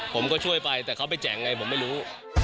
ผมก็ช่วยไปแต่เขาไปแจกไงผมไม่รู้